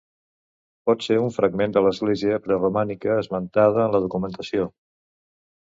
Pot ésser un fragment de l'església preromànica esmentada en la documentació.